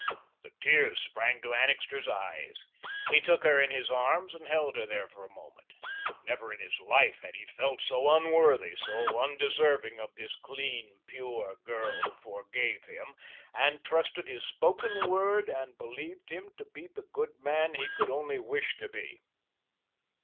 The tears sprang to Annixter's eyes. He took her in his arms and held her there for a moment. Never in his life had he felt so unworthy, so undeserving of this clean, pure girl who forgave him and trusted his spoken word and believed him to be the good man he could only wish to be.